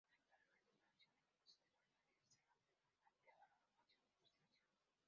Actualmente su acción además de guarderías, se ha ampliado a la formación e investigación.